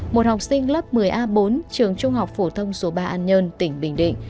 một học sinh lớp một mươi a bốn trường trung học phổ thông số ba an nhơn tỉnh bình định